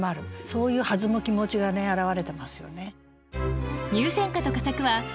そういう弾む気持ちがね表れてますよね。